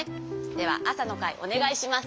ではあさのかいおねがいします。